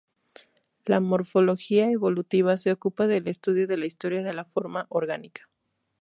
La "Morfología evolutiva" se ocupa del estudio de la historia de la forma orgánica.